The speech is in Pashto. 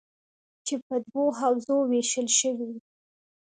چې په دوو حوزو ویشل شوي: